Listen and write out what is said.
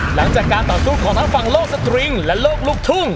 หลังจากการต่อสู้ของทั้งฝั่งโลกสตริงและโลกลูกทุ่ง